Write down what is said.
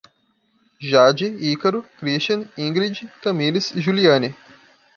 Jade, Ícaro, Christian, Ingred, Tamires e Juliane